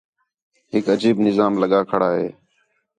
ہِک عجیب نظام لڳا کھڑا ہے